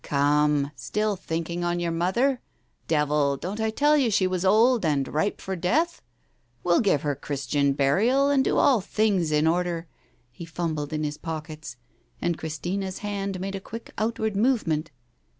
... Come, still thinking on your mother? Devil, don't I tell you she was old and ripe for death? We'll give her Christian burial, and do all things in order. ..." He fumbled in his pockets. And Christina's hand made a quick outward movement.